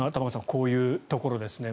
こういうところですね。